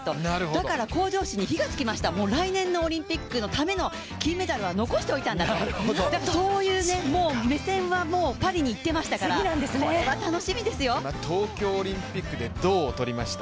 だから向上心に火がつきました、来年のオリンピックのための金メダルは残しておいたんだと、そういう目線はもうパリに行ってましたから東京オリンピックで銅を取りました。